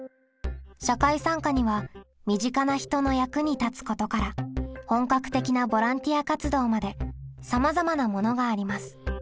社会参加には身近な人の役に立つことから本格的なボランティア活動までさまざまなものがあります。